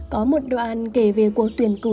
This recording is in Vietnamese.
có một đoạn kể về cuộc tuyển cử